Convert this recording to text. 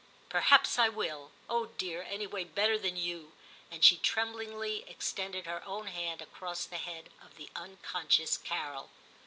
* Perhaps I will. Oh dear! anyway better than you,' and she tremblingly extended her own hand across the head of the unconscious Carol.